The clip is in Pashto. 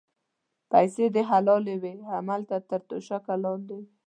پیسې دې حلالې وې هملته تر توشکه لاندې وې.